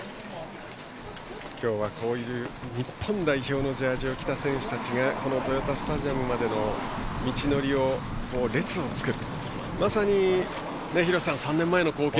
今日は日本代表のジャージーを着たお客さんたちがこの豊田スタジアムまでの道のりを列を作り